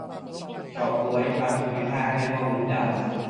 เฉาก๊วย บางภูมิภาคเรียกว่าวุ้นดำ